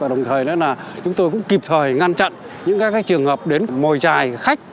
đồng thời chúng tôi cũng kịp thời ngăn chặn những trường hợp đến mồi trài khách